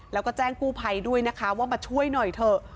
แล้วก็แจ้งกู้ภัยด้วยนะคะว่ามาช่วยหน่อยเถอะ